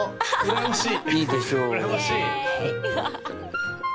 羨ましい！